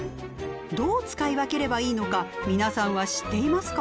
どう使い分ければいいのか皆さんは知っていますか？